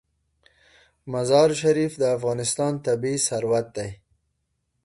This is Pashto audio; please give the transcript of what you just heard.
مزارشریف د افغانستان طبعي ثروت دی.